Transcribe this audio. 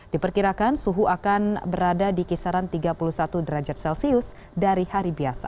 diperkirakan suhu akan berada di kisaran tiga puluh satu derajat celcius dari hari biasa